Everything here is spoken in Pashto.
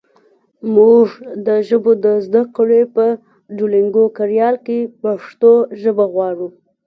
مونږ د ژبو د زده کړې په ډولونګو کاریال کې پښتو ژبه غواړو